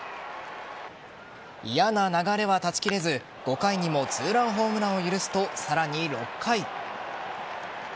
嫌な流れは断ち切れず５回にも２ランホームランを許すとさらに６回。